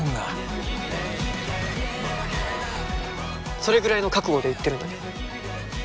それぐらいの覚悟で言ってるんだけど。